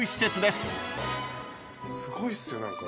すごいっすよ何か。